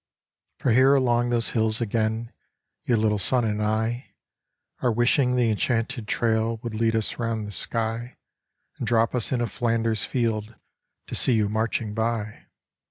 For here along those hills again Your little son and I Are wishing the enchanted Trail Would lead us round the sky And drop us in a Flanders field To see you marching by.